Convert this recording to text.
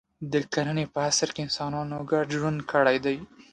د کرنې په عصر کې انسانانو ګډ ژوند کړی دی.